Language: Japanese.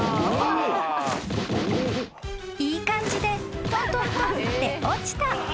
［いい感じでとんとんとんって落ちた］